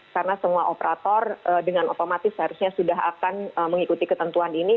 karena semua operator dengan otomatis seharusnya sudah akan mengikuti ketentuan ini